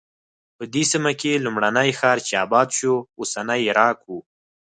په دې سیمه کې لومړنی ښار چې اباد شو اوسنی عراق و.